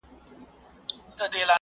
له یخنیه چي څوک نه وي لړزېدلي `